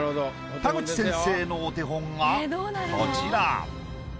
田口先生のお手本がこちら。